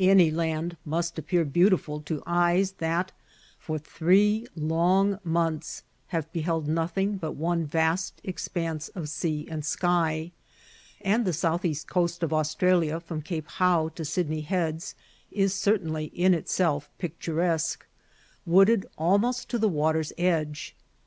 Any land must appear beautiful to eyes that for three long months have beheld nothing but one vast expanse of sea and sky; and the south east coast of Australia from Cape Howe to Sydney Heads, is certainly in itself picturesque, wooded almost to the water's edge.